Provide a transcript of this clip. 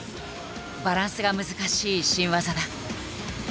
バランスが難しい新技だ。